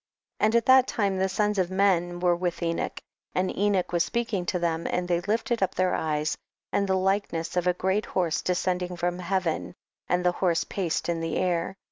27. And at that time the sons of men were with Enoch, and Enoch was speaking to them, and they lifted up their eyes and the likeness of a great horse descending from heaven, and the horse paced in the* air; 28.